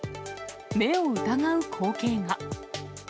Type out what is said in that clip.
目を疑う光景が。